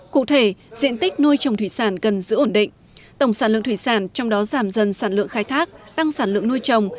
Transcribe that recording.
cụ thể diện tích nuôi trồng thủy sản cần giữ ổn định tổng sản lượng thủy sản trong đó giảm dần sản lượng khai thác tăng sản lượng nuôi trồng